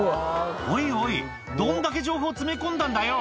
「おいおいどんだけ情報詰め込んだんだよ」